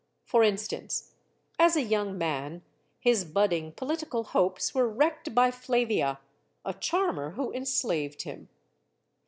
For instance, as a young man, his budding political hopes were wrecked by Flavia, a charmer who enslaved him.